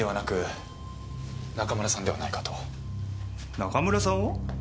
中村さんを？